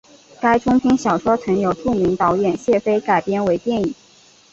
该中篇小说曾由著名导演谢飞改编为电影。